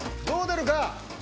どう出るか？